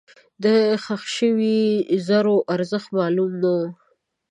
دښخ شوي زرو ارزښت معلوم نه و.